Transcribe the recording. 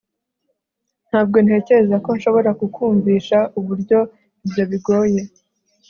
ntabwo ntekereza ko nshobora kukwumvisha uburyo ibyo bigoye